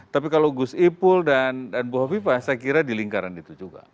tapi kalau gus ipul dan bu hovifa saya kira di lingkaran itu juga